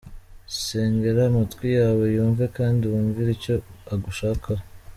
Sengera amatwi yawe yumve kandi wumvire icyo agushakaho.